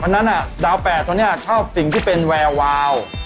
เพราะฉะนั้นดาวแปบตัวนี้ชอบสิ่งที่เป็นแวววาว